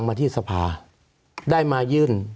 สวัสดีครับทุกคน